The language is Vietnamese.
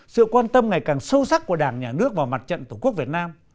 sự quan tâm ngày càng sâu sắc của đảng nhà nước và mặt trận tổ quốc việt nam